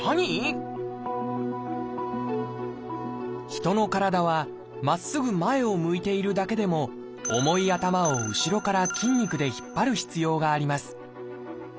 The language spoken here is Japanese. ヒトの体はまっすぐ前を向いているだけでも重い頭を後ろから筋肉で引っ張る必要があります。